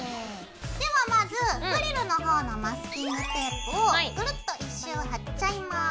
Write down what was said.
ではまずフリルの方のマスキングテープをグルッと１周貼っちゃいます。